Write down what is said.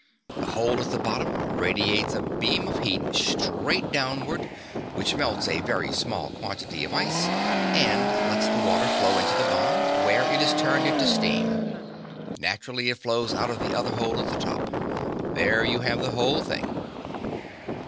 The hole at the bottom radiates a beam of heat straight downward which melts a very small quantity of ice and lets the water flow into the bomb, where it is turned into steam. Naturally, it flows out of the other hole at the top. There you have the whole thing."